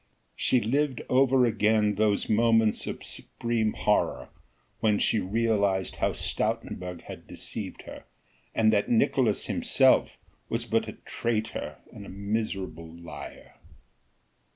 She lived over again those moments of supreme horror when she realized how Stoutenburg had deceived her, and that Nicolaes himself was but a traitor and a miserable liar.